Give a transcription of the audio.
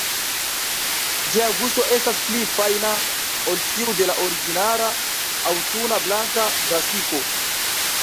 Ĝia gusto estas pli fajna ol tiu de la ordinara, aŭtuna blanka brasiko.